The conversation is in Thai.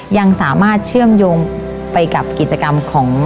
ยังสามารถเชื่อมโยงไปกับกิจกรรมของ